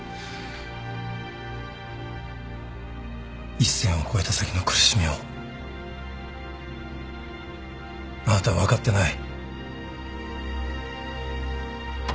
一線を越えた先の苦しみをあなたは分かってない。